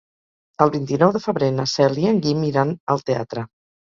El vint-i-nou de febrer na Cel i en Guim iran al teatre.